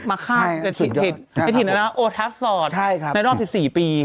มาฆาตในถิ่นโอทัศน์ฟอร์ตในรอบ๑๔ปี